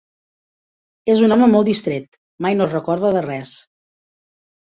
És un home molt distret: mai no es recorda de res.